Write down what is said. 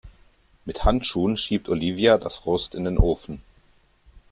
Mit Handschuhen schiebt Olivia das Rost in den Ofen.